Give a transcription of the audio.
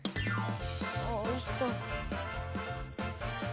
おいしそう。